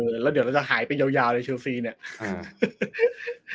เออแล้วเดี๋ยวเราจะหายไปยาวในเชียวฟรีเนี่ย